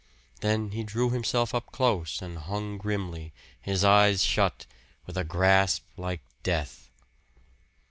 Then he drew himself up close and hung grimly, his eyes shut, with a grasp like death.